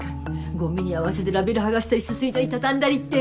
ゴミに合わせてラベル剥がしたりすすいだり畳んだりって。